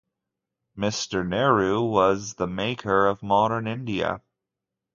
Mister Nehru was the maker of modern India.